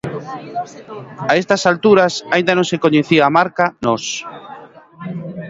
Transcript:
A esas alturas aínda non se coñecía a marca "Nós".